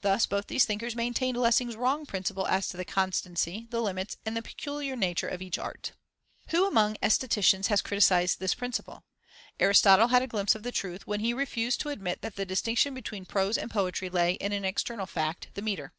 Thus both these thinkers maintained Lessing's wrong principle as to the constancy, the limits, and the peculiar nature of each art. Who among aestheticians has criticized this principle? Aristotle had a glimpse of the truth, when he refused to admit that the distinction between prose and poetry lay in an external fact, the metre.